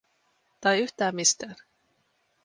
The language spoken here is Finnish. Tai yhtään mistään?